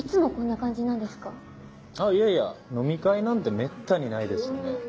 あっいやいや飲み会なんてめったにないですよね。